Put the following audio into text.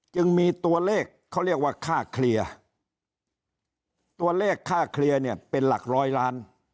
จึงมีตัวเลขเขาเรียกว่าค่าเคลียร์ตัวเลขค่าเคลียร์เนี่ยเป็นหลักร้อยล้าน